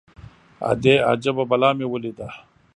_ادې! اجبه بلا مې وليده.